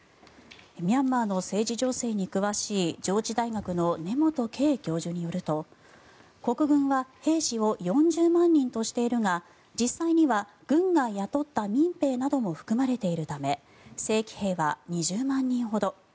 ミャンマーの政治情勢に詳しい上智大学の根本敬教授によると国軍は兵士を４０万人としているが実際には軍が雇った民兵なども含まれているため正規兵は２０万人ほど。